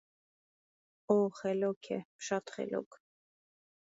Օ՜, խելոք է, շատ խելոք: